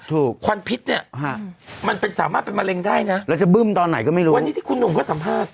ควันพิษเนี่ยมันเป็นสามารถเป็นมะเร็งได้นะเราจะบึ้มตอนไหนก็ไม่รู้วันนี้ที่คุณหนุ่มก็สัมภาษณ์